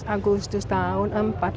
tujuh belas agustus tahun empat puluh lima